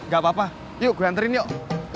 gak apa apa yuk gue hanterin yuk